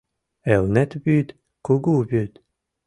Элнет вӱд — кугу вӱд.